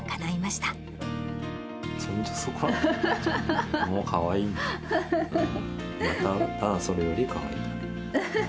ただそれよりかわいい。